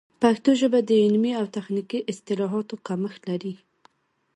پښتو ژبه د علمي او تخنیکي اصطلاحاتو کمښت لري.